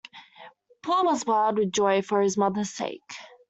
Paul was wild with joy for his mother’s sake.